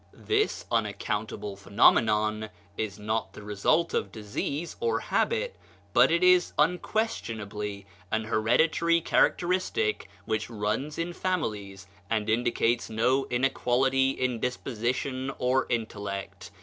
This unaccountable phenomenon is not the result of disease or habit, but it is unquestionably an hereditary characteristic which runs in families, and indicates no inequality in disposition or intellect.